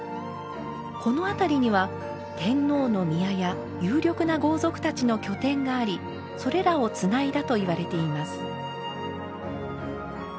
この辺りには天皇の宮や有力な豪族たちの拠点がありそれらをつないだといわれています。